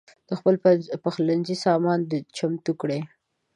د پخلنځي سامان دې چمتو کړه.